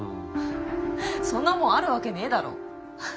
そんなもんあるわけねえだろ。